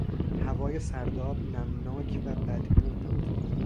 هوای سرداب نمناک و بد بو بود.